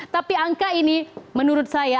tapi angka ini menurut saya